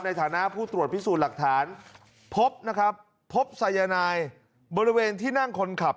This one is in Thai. ในฐานะผู้ตรวจพิสูจน์หลักฐานพบนะครับพบสายนายบริเวณที่นั่งคนขับ